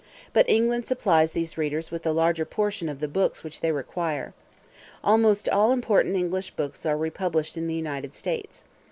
But England supplies these readers with the larger portion of the books which they require. Almost all important English books are republished in the United States.